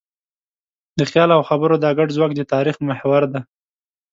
د خیال او خبرو دا ګډ ځواک د تاریخ محور دی.